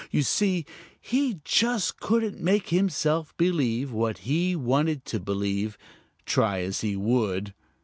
You see he just couldn't make himself believe what he wanted to believe, try as he would.